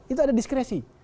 itu ada diskresi